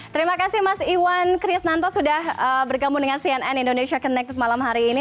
terima kasih mas iwan krisnanto sudah bergabung dengan cnn indonesia connected malam hari ini